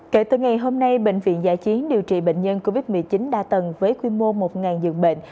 kể từ ngày hôm nay bệnh viện giải chiến điều trị bệnh nhân covid một mươi chín đa tầng với quy mô một giường bệnh